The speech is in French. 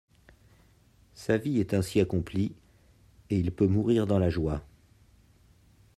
Sa vie est ainsi accomplie et il peut mourir dans la joie.